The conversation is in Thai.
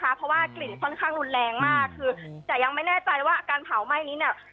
เพราะว่ากลิ่นค่อนข้างรุนแรงมากคือแต่ยังไม่แน่ใจว่าการเผาไหม้นี้เนี่ย